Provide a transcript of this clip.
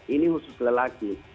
ini khusus lelaki